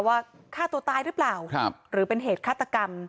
ฆ่าตัวตายหรือเปล่าหรือเป็นเหตุฆาตกรรม